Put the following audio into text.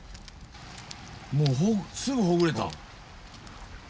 もうすぐほぐれた。